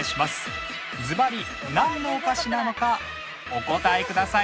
ずばりなんのお菓子なのかお答えください。